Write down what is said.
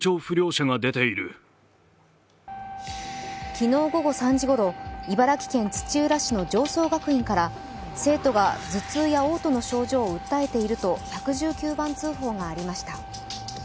昨日午後３時ごろ、茨城県土浦市の常総学院から生徒が頭痛やおう吐の症状を訴えていると１１９番通報がありました。